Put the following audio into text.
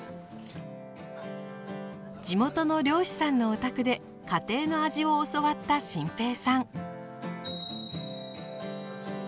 地元の漁師さんのお宅で家庭の味を教わった心平さん。